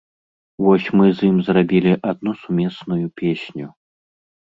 Вось мы з ім зрабілі адну сумесную песню.